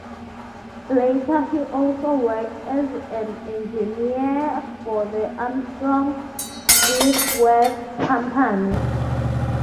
Later he also worked as an engineer for the Armstrong-Whitworth company.